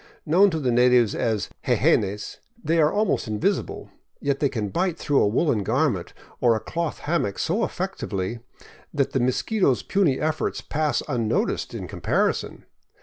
Known to the natives as jejenes, they are almost invisible, yet they can bite through a woolen garment or a cloth hammock so effectively that the mosquito's puny efforts pass un noticed in comparison.